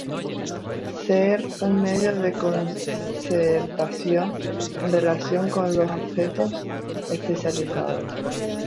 Ser un medio de concertación en relación con los objetivos especificados.